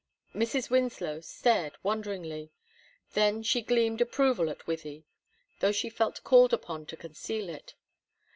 Mrs. Winslow stared wonderingly, then she gleamed approval at Wythie, though she felt called upon to conceal it.